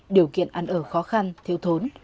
điều kiện ăn ở khó khăn thiêu thốn